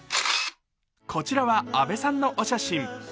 こちらは阿部さんのお写真。